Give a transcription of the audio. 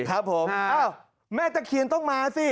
ครับผมอ้าวแม่ตะเคียนต้องมาสิ